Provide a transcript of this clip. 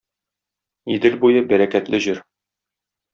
Идел буе бәрәкәтле җир.